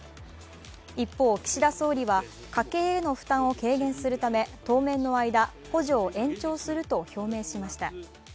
一方、岸田総理は、家計への負担を軽減するため当面の間、補助を延長すると表明しました。